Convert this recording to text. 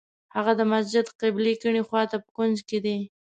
هغه د مسجد قبلې کیڼې خوا ته په کونج کې دی.